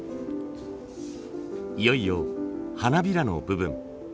いよいよ花びらの部分。